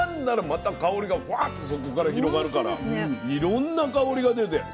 また香りがフワッとそこから広がるからいろんな香りが出て。